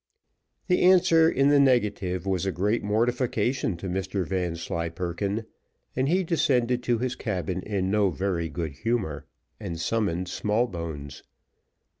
The answer in the negative was a great mortification to Mr Vanslyperken, and he descended to his cabin in no very good humour, and summoned Smallbones.